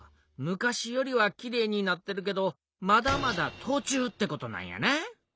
昔よりはきれいになってるけどまだまだとちゅうってことなんやな。